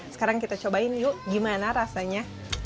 sekarang kita cobain yuk gimana rasanya